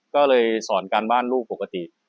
ก็เลยสอนการบ้านลูกปกติ